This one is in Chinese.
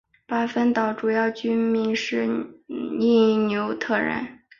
巴芬岛主要居民是因纽特人。